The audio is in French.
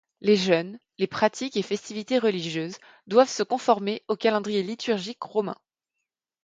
Les jeûnes, les pratiques et festivités religieuses doivent se conformer au calendrier liturgique romain.